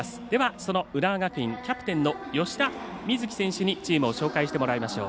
その浦和学院キャプテンの吉田瑞樹選手にチームを紹介してもらいましょう。